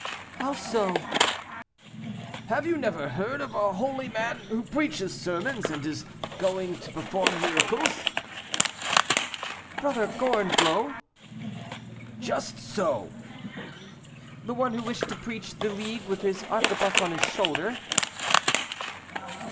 "How so?" "Have you never heard of a holy man who preaches sermons, and is going to perform miracles?" "Brother Gorenflot?" "Just so." "The one who wished to preach the League with his arquebuse on his shoulder?"